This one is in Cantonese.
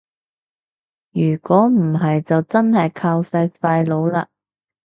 如果唔係就真係靠晒廢老喇